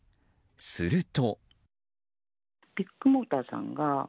すると。